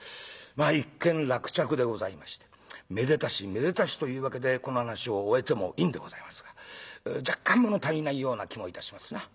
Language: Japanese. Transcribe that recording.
まあ一件落着でございましてめでたしめでたしというわけでこの噺を終えてもいいんでございますが若干物足りないような気もいたしますな。